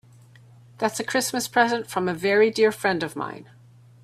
That's a Christmas present from a very dear friend of mine.